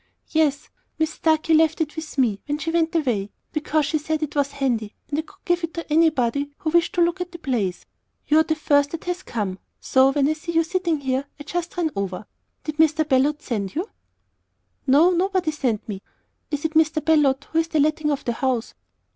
"Yes. Mis Starkey left it with me when she went away, because, she said, it was handy, and I could give it to anybody who wished to look at the place. You're the first that has come; so when I see you setting here, I just ran over. Did Mr. Beloit send you?" "No; nobody sent me. Is it Mr. Beloit who has the letting of the house?"